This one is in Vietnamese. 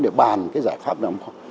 để bàn cái giải pháp nào